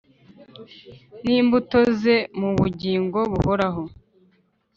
n'imbuto ze mu bugingo buhoraho.